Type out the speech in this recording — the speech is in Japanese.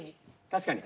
確かに。